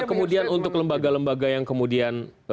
tapi kemudian untuk lembaga lembaga yang kemudian